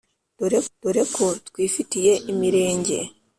Dore ko twifitiye imirenge.